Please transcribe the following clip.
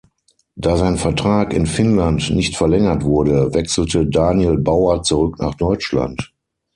Da sein Vertrag in Finnland nicht verlängert wurde, wechselte Daniel Bauer zurück nach Deutschland.